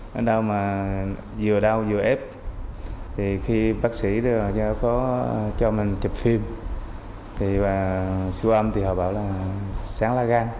nó đau mà vừa đau vừa ép thì khi bác sĩ cho mình chụp phim thì bà sưu âm thì họ bảo là sán lá gan